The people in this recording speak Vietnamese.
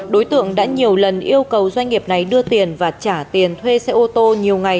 đối tượng đã nhiều lần yêu cầu doanh nghiệp này đưa tiền và trả tiền thuê xe ô tô nhiều ngày